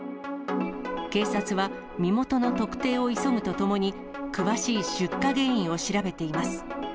警察は、身元の特定を急ぐとともに、詳しい出火原因を調べています。